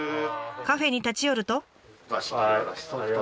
カフェに立ち寄ると。